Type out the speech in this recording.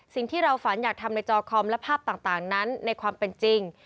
สิ่งที่เราฝันอยากทำในจอคอมและภาพต่างนั้นในความเป็นจริง